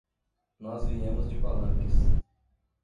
Nós viemos de Palanques.